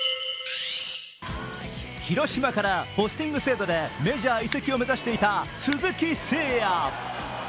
広島からポスティング制度でメジャー移籍を目指していた鈴木誠也。